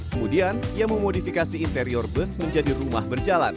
kemudian ia memodifikasi interior bus menjadi rumah berjalan